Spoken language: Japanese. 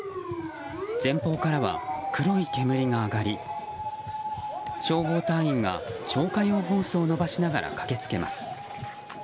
前方からは、黒い煙が上がり消防隊員が消火用ホースを伸ばしながら駆けつけます。